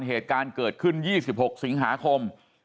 เหตุการณ์เกิดขึ้น๒๖สิงหาคม